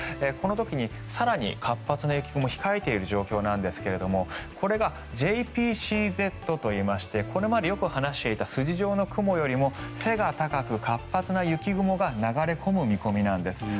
この時に更に活発な雪雲控えている状況なんですがこれがＪＰＣＺといいましてこれまでよく話していた筋状の雲よりも背が高く活発な雪雲が流れ込む見込みなんです。